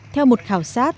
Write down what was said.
theo một khảo sát